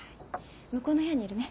向こうの部屋にいるね。